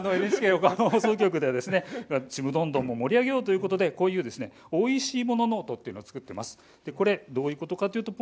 ＮＨＫ横浜放送局では「ちむどんどん」も盛り上げようということで「おいしいものノート」を作っています。